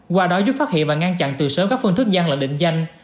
qua đó giúp phát hiện và ngăn chặn từ sớm các phương thức gian lận định danh